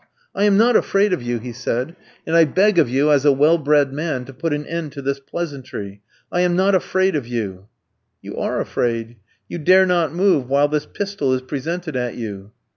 "'I am not afraid of you,' he said, 'and I beg of you, as a well bred man, to put an end to this pleasantry. I am not afraid of you!' "'You are afraid! You dare not move while this pistol is presented at you.'